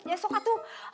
ya sok atuh